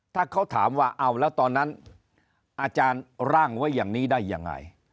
ถ้าเขาถามว่าเอาแล้วตอนนั้นอาจารย์ร่างไว้อย่างนี้ได้ยังไง